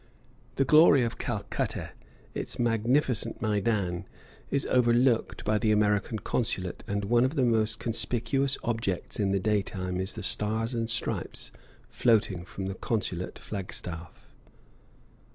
The glory of Calcutta, its magnificent Maidan, is overlooked by the American Consulate, and one of the most conspicuous objects in the daytime is the stars and stripes floating from the consulate flag staff.